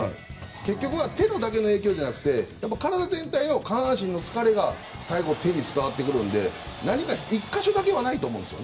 結局は手だけの影響じゃなくて体全体の下半身の疲れが最後、手に伝わってくるので１か所だけはないと思うんです。